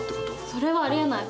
それはありえない。